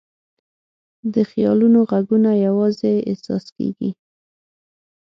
د خیالونو ږغونه یواځې احساس کېږي.